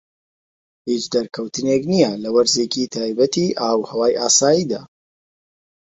هیچ دەرکەوتنێک نیە لە وەرزێکی تایبەتی ئاوهەوای ئاساییدا.